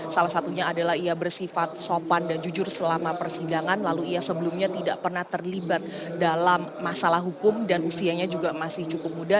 salah satunya adalah ia bersifat sopan dan jujur selama persidangan lalu ia sebelumnya tidak pernah terlibat dalam masalah hukum dan usianya juga masih cukup muda